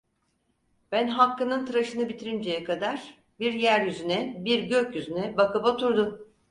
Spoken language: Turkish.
Ben Hakkı'nın tıraşını bitirinceye kadar bir yeryüzüne, bir gökyüzüne bakıp oturdu.